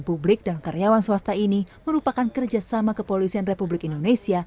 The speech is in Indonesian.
publik dan karyawan swasta ini merupakan kerjasama kepolisian republik indonesia